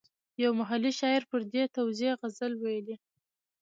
یو محلي شاعر پر دې توزېع غزل ویلی.